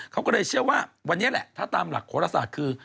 เขาก็เลยเชื่อว่าวันนี้แหละถ้าตามหลักโฆษศาสตร์คือ